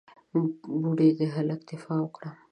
بوډۍ د هلک دفاع وکړه.